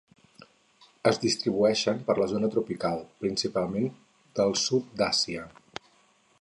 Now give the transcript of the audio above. Es distribueixen per la zona tropical, principalment del sud d'Àsia.